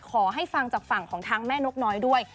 ฟังจากฝั่งของทางแม่นกน้อยด้วย